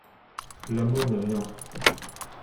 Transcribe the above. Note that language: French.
L'amour n'est rien...